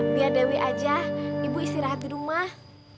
biar dewi aja ibu istirahat di rumah